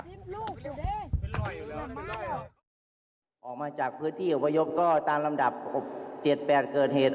ออกมาจากพื้นที่อพยพก็ตามลำดับเจ็ดแปดเกิดเหตุ